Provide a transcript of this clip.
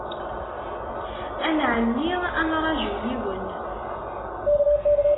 Ad nɛenni ad nraju yiwen.